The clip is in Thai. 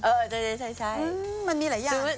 ใช้มันมีหลายอย่าง